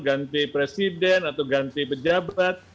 ganti presiden atau ganti pejabat